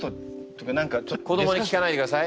子どもに聞かないでください。